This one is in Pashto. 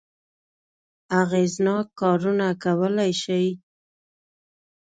اغېزناک کارونه کولای شي.